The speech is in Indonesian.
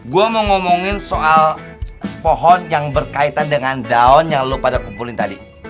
gue mau ngomongin soal pohon yang berkaitan dengan daun yang lo pada kumpulin tadi